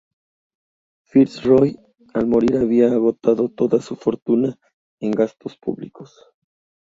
Fitz Roy al morir había agotado toda su fortuna en gastos públicos.